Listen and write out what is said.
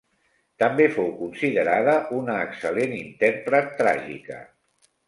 També fou considerada una excel·lent intèrpret tràgica.